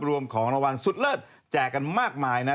รวมของรางวัลสุดเลิศแจกกันมากมายนะ